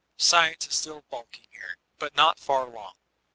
Science is still balking here. But not far long.